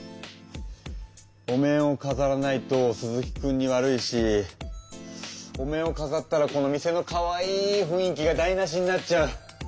お面をかざらないと鈴木くんに悪いしお面をかざったらこの店のかわいいふんい気がだいなしになっちゃう。